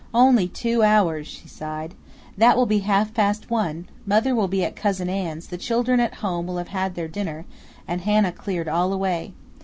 "Only two hours," she sighed "That will be half past one; mother will be at cousin Ann's, the children at home will have had their dinner, and Hannah cleared all away.